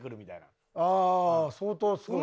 ああ相当すごいやつ。